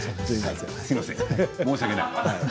申し訳ない。